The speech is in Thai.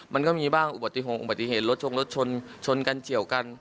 มันก็มีบ้างอุบัติเหตุระดับรถชนกันเฉียวกัน